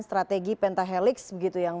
strategi pentahelix begitu yang